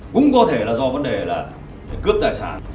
cũng có thể là do vấn đề là cướp tài sản